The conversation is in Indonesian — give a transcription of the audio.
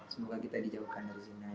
semoga kita dijauhkan dari sini ya